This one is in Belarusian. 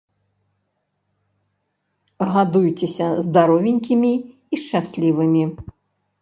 Гадуйцеся здаровенькімі і шчаслівымі!